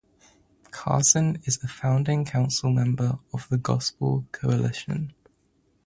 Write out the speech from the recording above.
Carson is a founding council member of The Gospel Coalition.